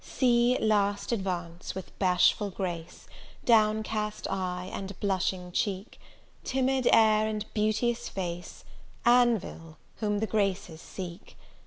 See last advance, with bashful grace, Downcast eye, and blushing cheek, Timid air, and beauteous face, Anville, whom the Graces seek.